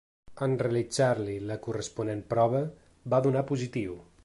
En realitzar-li la corresponent prova, va donar positiu.